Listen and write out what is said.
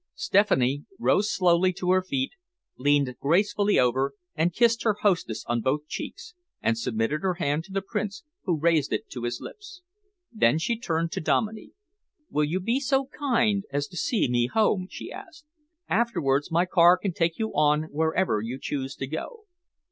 Stephanie rose slowly to her feet, leaned gracefully over and kissed her hostess on both cheeks, and submitted her hand to the Prince, who raised it to his lips. Then she turned to Dominey. "Will you be so kind as to see me home?" she asked. "Afterwards, my car can take you on wherever you choose to go."